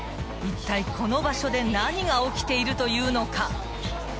［いったいこの場所で何が起きているというのか］